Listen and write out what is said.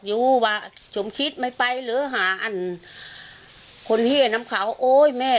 อยู่ว่าสมคิดไม่ไปหรือหาอันคนเฮ่น้ำขาวโอ๊ยแม่